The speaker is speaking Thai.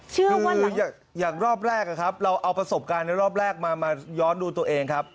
คืออย่างรอบแรกนะครับเราเอาประสบการณ์ในรอบแรกมาย้อนดูตัวเองครับ